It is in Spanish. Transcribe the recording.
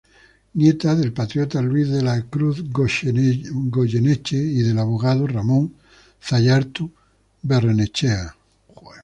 Nieta del patriota Luis de la Cruz Goyeneche y del abogado Ramón Zañartu Barrenechea.